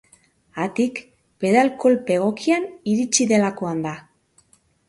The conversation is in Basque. Haatik, pedal kolpe egokian iritsi delakoan da.